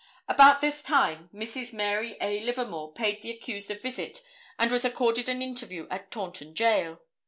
About this time Mrs. Mary A. Livermore paid the accused a visit and was accorded an interview at Taunton Jail.